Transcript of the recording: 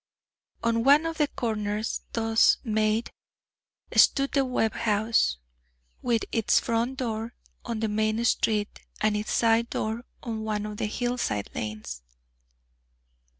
On one of the corners thus made, stood the Webb house, with its front door on the main street and its side door on one of the hillside lanes.